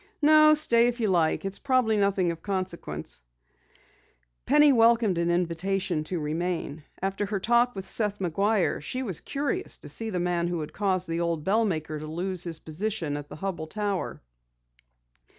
"No, stay if you like. It's probably nothing of consequence." Penny welcomed an invitation to remain. After her talk with Seth McGuire she was curious to see the man who had caused the old bell maker to lose his position at the Hubell Tower.